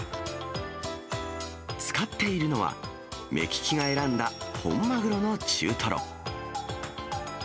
使っているのは、目利きが選んだ本マグロの中トロ。